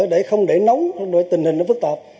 để không để nóng tình hình nó phức tạp